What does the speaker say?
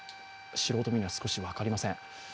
素人目には、少し分かりません。